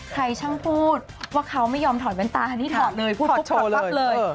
ใครช่างพูดว่าเขาไม่ยอมถอดแว่นตาคันนี้ถอดเลยพูดปุ๊บถอดปั๊บเลย